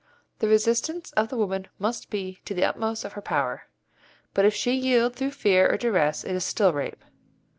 The resistance of the woman must be to the utmost of her power, but if she yield through fear or duress it is still rape.